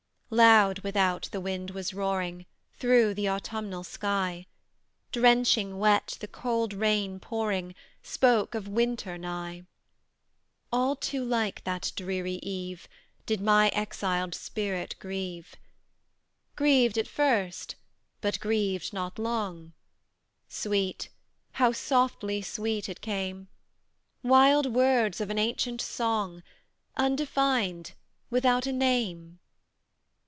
III. Loud without the wind was roaring Through th'autumnal sky; Drenching wet, the cold rain pouring, Spoke of winter nigh. All too like that dreary eve, Did my exiled spirit grieve. Grieved at first, but grieved not long, Sweet how softly sweet! it came; Wild words of an ancient song, Undefined, without a name.